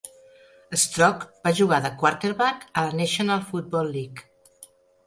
Strock va jugar de quarterback a la National Football League.